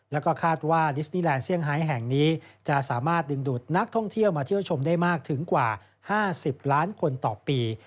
แล้วก็คาดว่าดิสตี้แลนดเซียงไฮแห่งนี้จะสามารถดึงดูดนักท่องเที่ยวมาเที่ยวชมได้มากถึงกว่า๕๐ล้านคนต่อปี